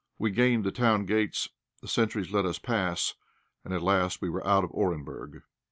We gained the town gates; the sentries let us pass, and at last we were out of Orenburg.